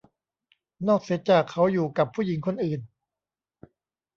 นอกเสียจากเขาอยู่กับผู้หญิงคนอื่น